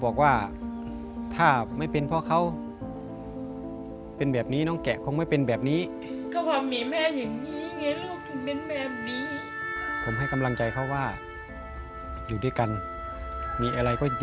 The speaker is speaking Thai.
บอกว่าถ้าไม่เป็นเพราะเขาขอเป็นแบบนี้น้องแกะคงไม่เป็นแบบนี้ก็